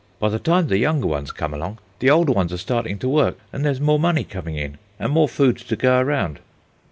By the time the younger ones come along, the older ones are starting to work, and there is more money coming in, and more food to go around."